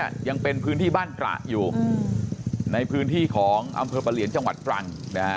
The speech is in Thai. ยังเป็นพื้นที่บ้านตระอยู่ในพื้นที่ของอำเภอประเหลียนจังหวัดตรังนะฮะ